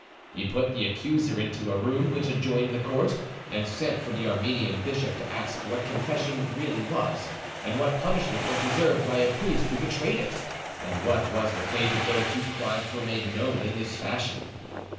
He put the accuser into a room which adjoined the court, and sent for the Armenian bishop to ask what confession really was, and what punishment was deserved by a priest who betrayed it, and what was the fate of those whose crimes were made known in this fashion.